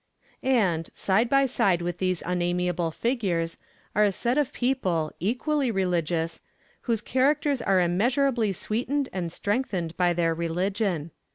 And, side by side with these unamiable figures, are a set of people, equally religious, whose characters are immeasurably sweetened and strengthened by their religion.